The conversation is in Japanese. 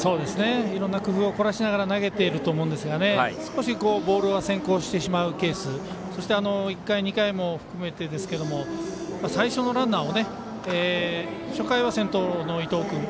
いろんな工夫を凝らしながら投げていると思うんですが少しボールが先行してしまうケースそして１回、２回も含めてですけど最初のランナーを初回は先頭の伊藤君。